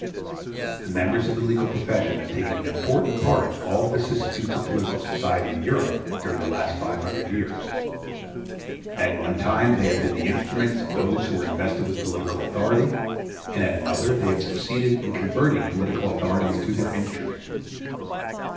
The members of the legal profession have taken an important part in all the vicissitudes of political society in Europe during the last five hundred years. At one time they have been the instruments of those who were invested with political authority, and at another they have succeeded in converting political authorities into their instrument.